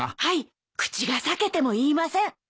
はい口が裂けても言いません。